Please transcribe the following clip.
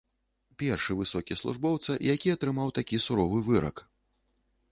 Першы высокі службоўца, які атрымаў такі суровы вырак.